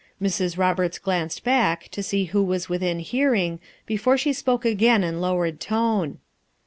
Mrs. Roberts glanced back to see who was within hearing be fore she spoke again in lowered tone.